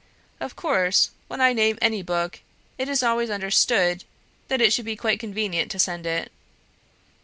Of course, when I name any book, it is always understood that it should be quite convenient to send it."